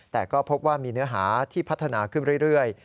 แต่ก็พบว่ามีเนื้อหาที่พัฒนาขึ้นเรื่อย